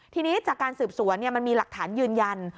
ทีนี้จากการสืบสวนมันมีหลักฐานยืนยัน